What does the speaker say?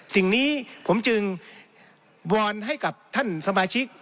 สิ่งนี้ผมจึงวอนให้กับท่านสมาชิก